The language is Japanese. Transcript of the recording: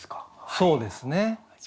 そうですね。